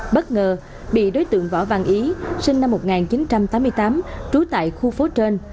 bất ngờ bị đối tượng võ văn ý sinh năm một nghìn chín trăm tám mươi tám trú tại khu phố trên